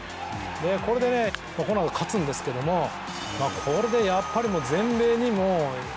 これでねこのあと勝つんですけどもこれでやっぱり全米にも大谷がすごすぎると。